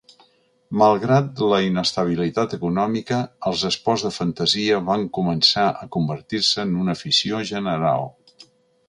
Malgrat la inestabilitat econòmica, els esports de fantasia van començar a convertir-se en una afició general.